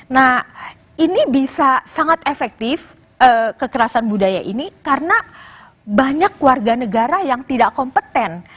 nah ini bisa sangat efektif kekerasan budaya ini karena banyak warga negara yang tidak kompeten